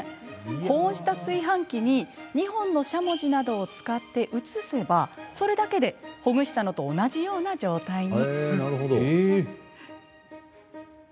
保温した炊飯器に、２本のしゃもじなどを使って移せばそれだけでほぐしたのと同じような状態に。